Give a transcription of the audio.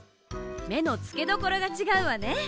めのつけどころがちがうわね！